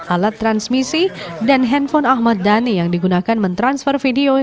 alat transmisi dan handphone ahmad dhani yang digunakan mentransfer video